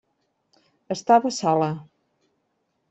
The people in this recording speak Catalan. Estava sola.